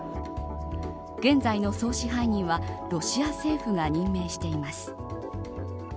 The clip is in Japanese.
現在の総支配人はロシア政府が任命しています。